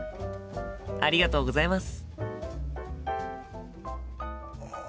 ありがとうございます。